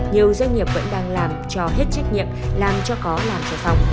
nhiều doanh nghiệp vẫn đang làm cho hết trách nhiệm làm cho có làm cho phòng